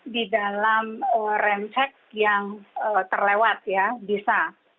di dalam remsik yang terlewat ya bisa